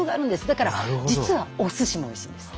だから実はおすしもおいしいんです。